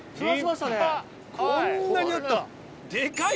こんなになった！